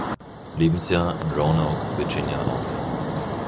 Lebensjahr in Roanoke, Virginia, auf.